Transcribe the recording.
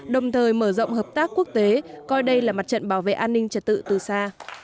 đồng thời mở rộng hợp tác quốc tế coi đây là mặt trận bảo vệ an ninh trật tự từ xa